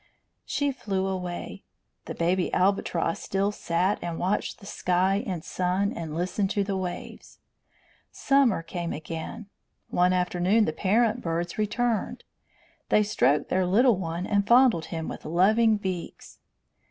She flew away. The baby albatross still sat and watched the sky and sun, and listened to the waves. Summer came again. One afternoon the parent birds returned. They stroked their little one and fondled him with loving beaks.